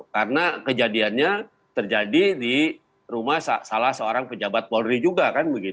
karena kejadiannya terjadi di rumah salah seorang pejabat polri juga